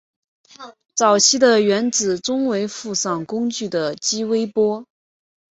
早期的原子钟为附上工具的激微波。